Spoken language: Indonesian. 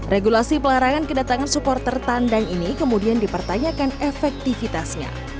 regulasi pelarangan kedatangan supporter tandang ini kemudian dipertanyakan efektivitasnya